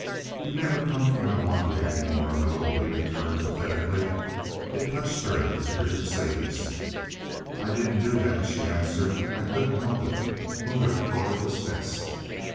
"You never come for my laundry any more, though," he returned pathetically. It touched her to hear him say this. "I didn't do that," she answered. "I couldn't help it; Mother thought it was best."